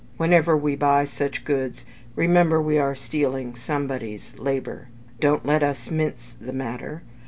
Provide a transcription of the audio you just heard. Whenever we buy such goods, remember we are stealing somebody's labour. Don't let us mince the matter.